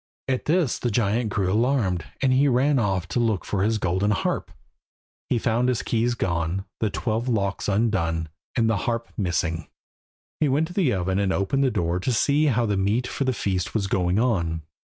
At this the giant grew alarmed, and he ran off to look after his golden harp. He found his keys gone, the twelve locks undone, and the harp missing. He went to the oven and opened the door to see how the meat for the feast was going on.